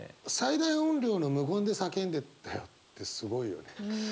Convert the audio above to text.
「最大音量の無言で叫んでたよ」ってすごいよね。